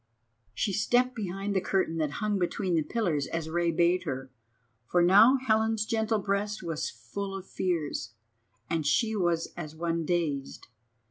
She stepped behind the curtain that hung between the pillars as Rei bade her, for now Helen's gentle breast was full of fears, and she was as one dazed.